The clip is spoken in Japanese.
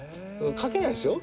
書けないっすよ。